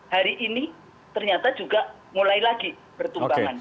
hari ini ternyata juga mulai lagi bertumbangan